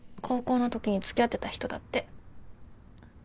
高校のときに付き合ってた人だって。